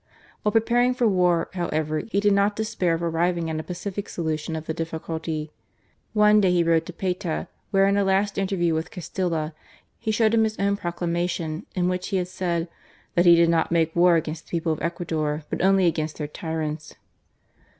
While preparing for war, however, he did not despair of arriving at a pacific solution of the difficulty. One day he rode to Payta, where in a last interview with Castilla he showed him his own proclamation in which he had said, "that he did not make war against the people of Ecuador but only against their tyrants."